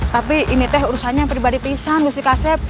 tapi ini teh urusannya pribadi pingsan gusti kasep